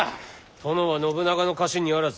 殿は信長の家臣にあらず。